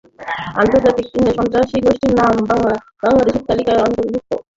আন্তর্জাতিক তিন সন্ত্রাসী গোষ্ঠীর নাম বাংলাদেশের তালিকায় অন্তর্ভুক্ত করতে চিঠি দিয়েছে মার্কিন যুক্তরাষ্ট্র।